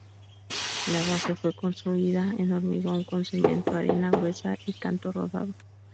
La base fue construida en hormigón, con cemento, arena gruesa y canto rodado.